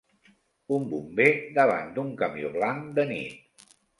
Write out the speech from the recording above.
Un bomber davant d'un camió blanc de nit